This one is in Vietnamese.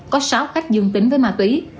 có sáu khách dương tính với ma túy